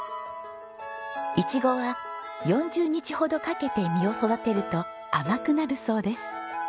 イチゴは４０日ほどかけて実を育てると甘くなるそうです。